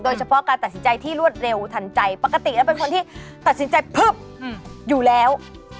โดยเฉพาะการตัดสินใจที่รวดเร็วทันใจปกติแล้วเป็นคนที่ตัดสินใจพลึบอยู่แล้ว